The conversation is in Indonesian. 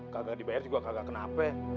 kagak dibayar juga kagak kena apa